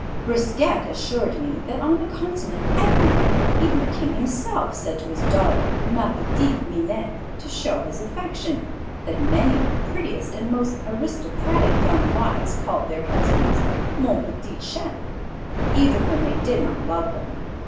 Brisquet assured me that on the continent everybody, even the King himself, said to his daughter, Ma petite Minette, to show his affection, that many of the prettiest and most aristocratic young wives called their husbands, Mon petit chat, even when they did not love them.